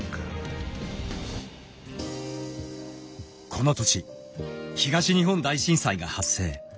この年東日本大震災が発生。